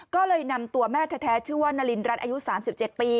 ก็เลยนำตัวแม่แท้ชื่อว่านารินรัฐอายุ๓๗ปี